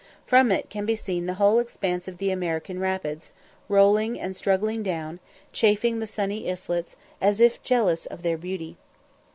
From it can be seen the whole expanse of the American rapids, rolling and struggling down, chafing the sunny islets, as if jealous of their beauty.